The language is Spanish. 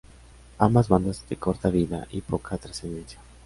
Ambas bandas de corta vida y poca trascendencia.